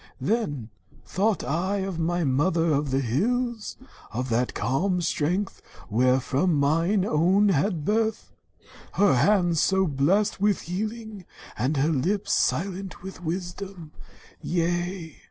"Then thought I of my mother of the hills, Of that calm strength wheref rom mine own had birth, Her hands so blest with healing, and her lips Silent with wisdom. Yea